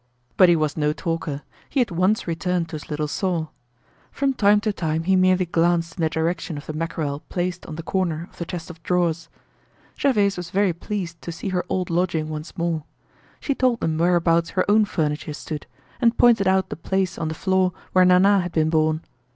But he was no talker; he at once returned to his little saw. From time to time he merely glanced in the direction of the mackerel placed on the corner of the chest of drawers. Gervaise was very pleased to see her old lodging once more. She told them whereabouts her own furniture stood, and pointed out the place on the floor where Nana had been born.